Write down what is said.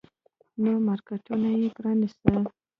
نوي مارکيټونه يې پرانيستل.